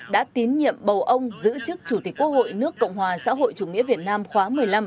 đã tín nhiệm bầu ông giữ chức chủ tịch quốc hội nước cộng hòa xã hội chủ nghĩa việt nam khóa một mươi năm